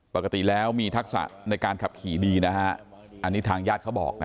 ปกติแล้วมีทักษะในการขับขี่ดีนะฮะอันนี้ทางญาติเขาบอกนะ